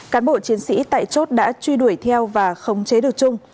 cán bộ chiến sĩ tại chốt đã truy đuổi theo và khống chế được trung